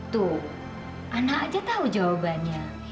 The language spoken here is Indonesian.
tuh anak aja tahu jawabannya